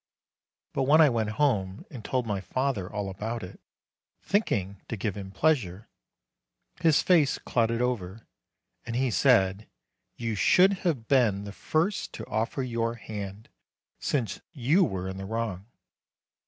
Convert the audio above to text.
But when I went home, and told my father all about it, thinking to give him pleasure, his face clouded over, and he said : "You should have been the first to offer your hand, since you were in the wrong."